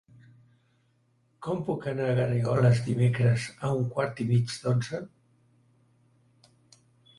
Com puc anar a Garrigoles dimecres a un quart i mig d'onze?